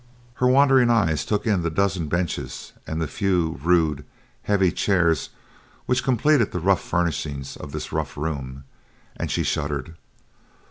Her wandering eyes took in the dozen benches and the few rude, heavy chairs which completed the rough furnishings of this rough room, and she shuddered.